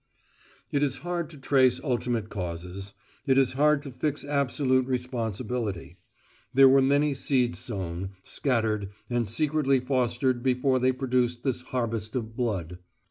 It is hard to trace ultimate causes. It is hard to fix absolute responsibility. There were many seeds sown, scattered, and secretly fostered before they produced this harvest of blood.